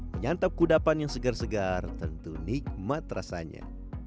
menyantap kudapan yang segar segar tentu nikmat rasanya